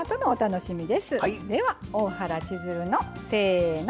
では「大原千鶴の」せの。